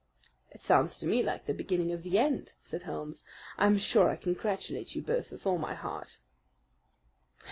"It sounds to me like the beginning of the end," said Holmes. "I'm sure I congratulate you both with all my heart."